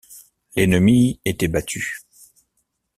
L’ennemi était battu.